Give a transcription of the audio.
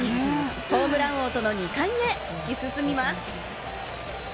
ホームラン王との２冠へ突き進みます。